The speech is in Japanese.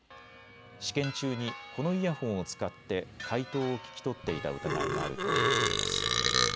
試験中にこのイヤホンを使って解答を聞き取っていた疑いがあるということです。